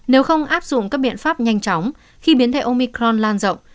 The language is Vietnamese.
nếu không áp dụng các biện pháp nhanh chóng khi biến thể omicron lan rộng